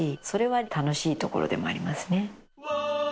それは楽しいところでもありますね。